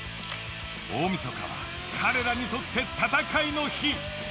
大みそかは彼らにとって戦いの日。